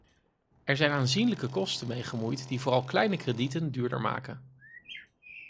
Er zijn aanzienlijke kosten mee gemoeid die vooral kleine kredieten duurder maken.